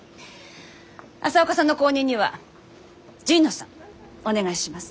朝岡さんの後任には神野さんお願いします。